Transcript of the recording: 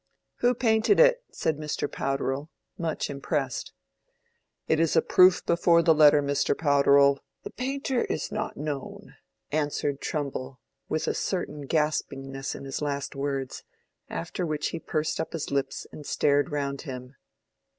"Who painted it?" said Mr. Powderell, much impressed. "It is a proof before the letter, Mr. Powderell—the painter is not known," answered Trumbull, with a certain gaspingness in his last words, after which he pursed up his lips and stared round him.